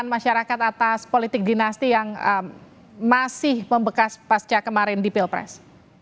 masyarakat atas politik dinasti yang masih membekas pasca kemarin di pilpres